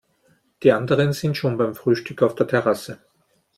Die anderen sind schon beim Frühstück auf der Terrasse.